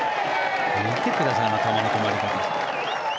見てくださいあの球の止まり方。